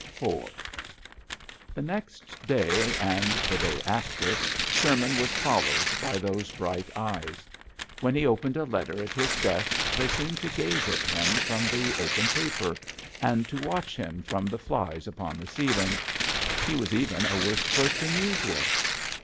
IV. HE next day and the day after, Sherman was followed by those bright eyes. When he opened a letter at his desk they seemed to gaze at him from the open paper, and to watch him from the flies upon the ceiling. He was even a worse clerk than usual.